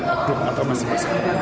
aduh atau masih masih